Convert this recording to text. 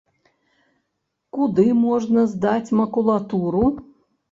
Куды можна здаць макулатуру?